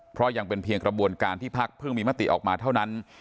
เพราะยังเป็นเพียงกระบวนการที่พักเพิ่งมีมติออกมาเท่านั้น